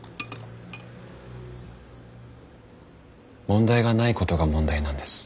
問題がないことが問題なんです。